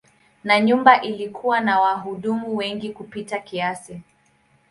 Na nyumba ilikuwa na wahudumu wengi kupita kiasi.